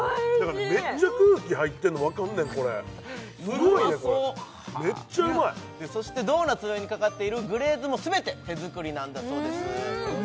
めっちゃ空気入ってんのわかるねんこれすごいでこれめっちゃうまいそしてドーナツの上にかかっているグレーズも全て手作りなんだそうです